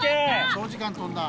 長時間飛んだ。